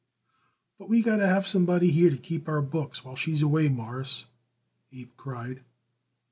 "But we got to have somebody here to keep our books while she's away, Mawruss," Abe cried.